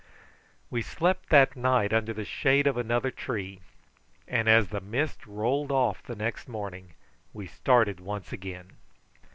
We slept that night under the shade of another tree, and as the mist rolled off the next morning we started once again.